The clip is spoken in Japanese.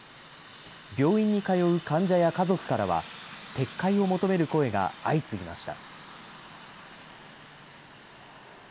病院に通う患者や家族からは、撤回を求める声が相次ぎました。